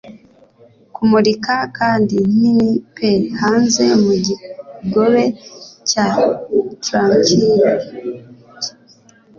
Kumurika kandi nini pe hanze mukigobe cya tranquil.